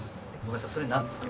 それ何ですか？